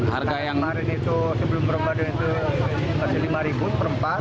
harga yang sebelum perumah itu masih lima ribu per empat